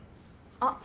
あっ！